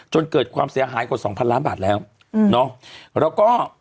จนเกิดความเสียหายกว่าสองพันล้านบาทแล้วอืมเนอะแล้วก็